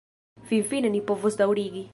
Finfine ni povos daŭrigi!